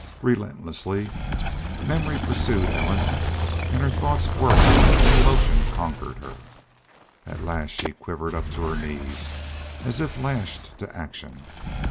Relentlessly memory pursued Ellen, and her thoughts whirled and emotion conquered her. At last she quivered up to her knees as if lashed to action.